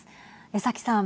江崎さん。